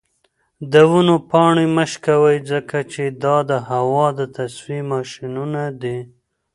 د ونو پاڼې مه شکوئ ځکه چې دا د هوا د تصفیې ماشینونه دي.